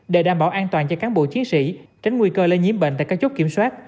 để đảm bảo an toàn cho cán bộ chiến sĩ tránh nguy cơ lây nhiễm bệnh tại các chốt kiểm soát